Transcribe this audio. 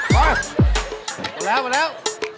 ก็แล้ว